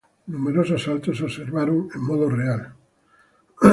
Numerosos saltos, se observaron en modo real.